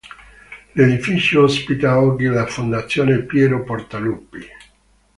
L'edificio ospita oggi la "Fondazione Piero Portaluppi".